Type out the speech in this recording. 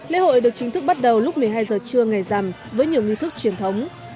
lễ hội được chính thức bắt đầu lúc một mươi hai giờ trưa ngày rằm với nhiều nghi thức truyền thống